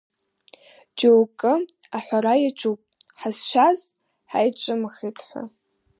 Џьоукы аҳәара иаҿуп ҳазшаз ҳаицәымыӷхеит ҳәа.